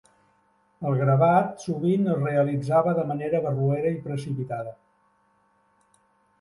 El gravat sovint es realitzava de manera barroera i precipitada.